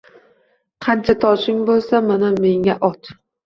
“Qancha toshing bulsa mana menga ot”